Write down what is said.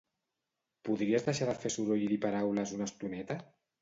Podries deixar de fer soroll i dir paraules una estoneta?